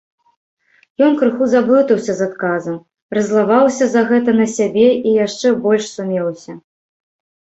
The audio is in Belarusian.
Ён крыху заблытаўся з адказам, раззлаваўся за гэта на сябе і яшчэ больш сумеўся.